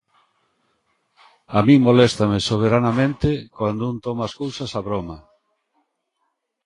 A min moléstame soberanamente cando un toma as cousas a broma.